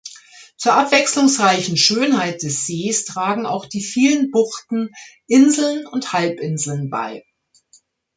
Zur abwechslungsreichen Schönheit des Sees tragen auch die vielen Buchten, Inseln und Halbinseln bei.